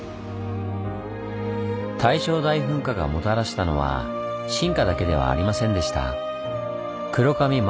大正大噴火がもたらしたのは進化だけではありませんでした。